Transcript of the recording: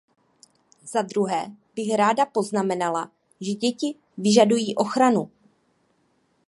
Zadruhé bych ráda poznamenala, že děti vyžadují ochranu.